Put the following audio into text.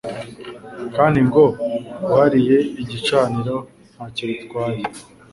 Kandi ngo : urahiye igicaniro ntacyo bitwaye.